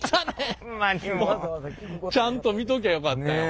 ちゃんと見ときゃよかったよ。